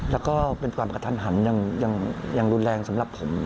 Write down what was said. แล้วก็เป็นความกระทันหันยังรุนแรงสำหรับผม